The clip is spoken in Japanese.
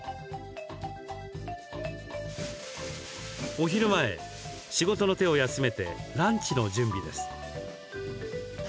お昼前、仕事の手を休めてランチの準備です。